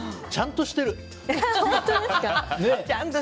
ちゃんとしてる。